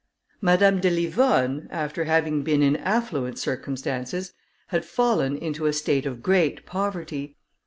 Madame de Livonne, after having been in affluent circumstances, had fallen into, a state of great poverty.